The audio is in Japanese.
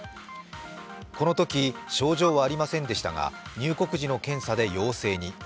このとき症状はありませんでしたが、入国時の検査で陽性に。